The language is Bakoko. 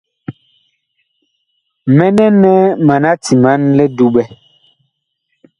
Mɛnɛ nɛ mana timan li duɓɛ.